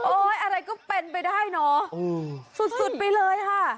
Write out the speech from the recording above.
โอ๊ยอะไรก็เป็นไปได้โหนสุดไปเลยค่ะ